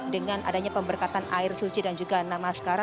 dengan adanya pemberkatan air suci dan juga namaskara